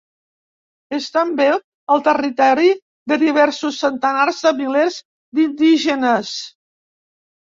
És també el territori de diversos centenars de milers d’indígenes.